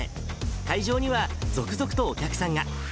会場には続々とお客さんが。